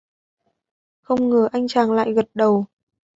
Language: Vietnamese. Không ngờ anh chàng lại gật đầu